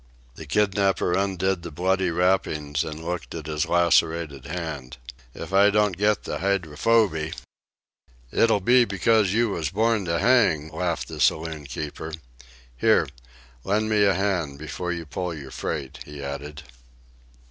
The kidnapper undid the bloody wrappings and looked at his lacerated hand. "If I don't get the hydrophoby—" "It'll be because you was born to hang," laughed the saloon keeper. "Here, lend me a hand before you pull your freight," he added.